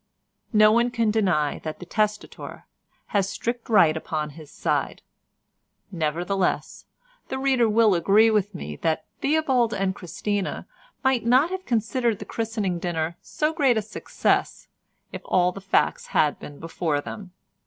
No one can deny that the testator had strict right upon his side; nevertheless the reader will agree with me that Theobald and Christina might not have considered the christening dinner so great a success if all the facts had been before them.